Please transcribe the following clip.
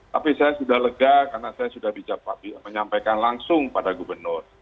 tapi saya sudah lega karena saya sudah menyampaikan langsung pada gubernur